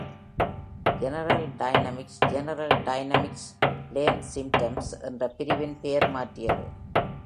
General Dynamics "General Dynamics Land Systems" என்ற பிரிவின் பெயர் மாற்றியது.